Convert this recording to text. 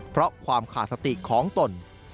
เพราะความขาดสติของตน